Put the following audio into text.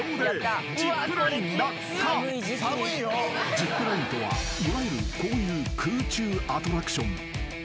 ［ジップラインとはいわゆるこういう空中アトラクション］